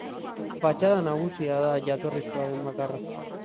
Fatxada nagusia da jatorrizkoa den bakarra.